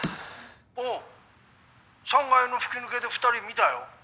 おぉ３階の吹き抜けで２人見たよ。